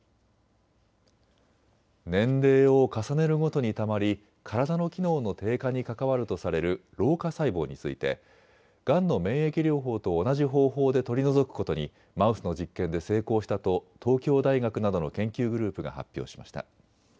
年齢を重ねるごとにたまり体の機能の低下に関わるとされる老化細胞についてがんの免疫療法と同じ方法で取り除くことにマウスの実験で成功したと東京大学などの研究グループが発表しました。